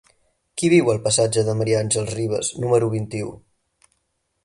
Qui viu al passatge de Ma. Àngels Rivas número vint-i-u?